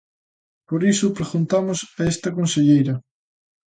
Por iso preguntamos a esta conselleira.